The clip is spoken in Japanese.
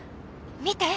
見て！